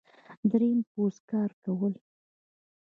دریم په پوځ کې کار کول دي.